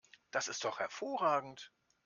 Das ist doch hervorragend!